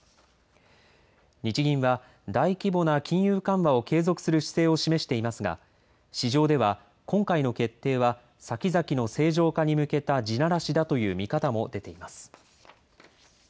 日銀は大規模な金融緩和を継続する姿勢を示していますが、市場では今回の決定はさきざきの正常化に向けた地ならしだという見方も出ています。